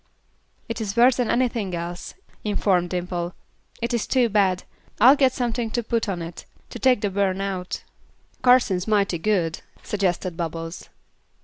"It is worse than anything else," informed Dimple. "It is too bad. I'll get something to put on it, to take the burn out." "Kar'sene's mighty good," suggested Bubbles.